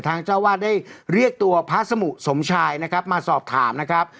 เจ้าวาดได้เรียกตัวพระสมุสมชายนะครับมาสอบถามนะครับ